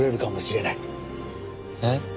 えっ？